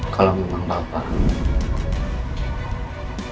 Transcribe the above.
kalau memang bapak